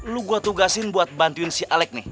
lu gue tugasin buat bantuin si alec nih